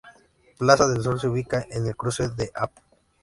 Plaza del Sol se ubica en el cruce de Av.